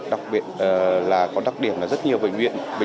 đặc biệt là có đặc điểm là rất nhiều bệnh viện